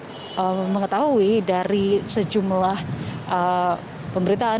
saya mengetahui dari sejumlah pemberitaan